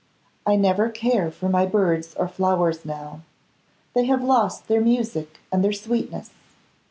I never care for my birds or flowers now. They have lost their music and their sweetness.